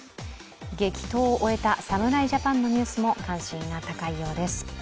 激闘を終えた侍ジャパンのニュースも関心が高いようです。